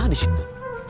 hah di situ